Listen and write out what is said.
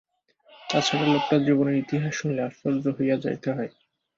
তা ছাড়া, লোকটার জীবনের ইতিহাস শুনিলে আশ্চর্য হইয়া যাইতে হয়।